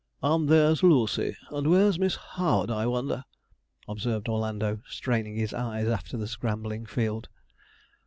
'And there's Lucy; and where's Miss Howard, I wonder?' observed Orlando, straining his eyes after the scrambling field.